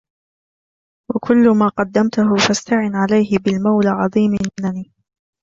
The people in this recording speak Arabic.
وكل ماقدمته فاسْتَعِنِ عليه بالمولى عظيم المنن